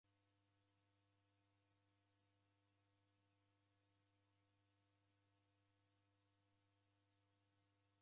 Uo kilongozi odedanya na w'andu w'a sheria kwa indo ja kaw'i.